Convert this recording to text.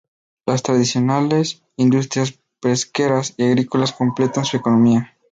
Las tradicionales industrias pesqueras y agrícolas completan su economía.